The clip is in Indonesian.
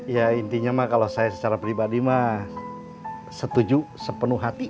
ya intinya mah kalau saya secara pribadi mah setuju sepenuh hati